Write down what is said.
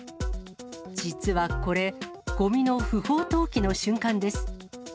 実はこれ、ごみの不法投棄の瞬間です。